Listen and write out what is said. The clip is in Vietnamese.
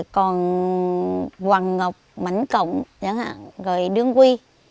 còn hoàng ngọc mảnh cổng đường quy